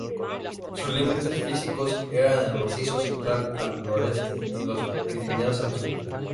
Sus límites físicos eran el Macizo Central al noreste y los Pirineos al sur.